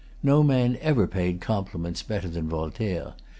No man ever paid compliments[Pg 255] better than Voltaire.